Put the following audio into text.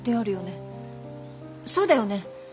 そうだよね？